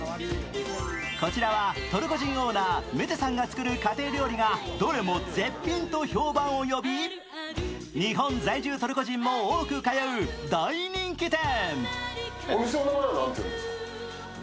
こちらはトルコ人オーナー、メテさんが作る家庭料理がどれも絶品と評判を呼び、日本在住トルコ人も多く通う大人気店。